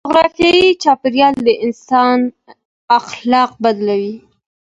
جغرافيايي چاپيريال د انسان اخلاق بدلوي.